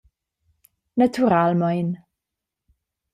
Naturalmein.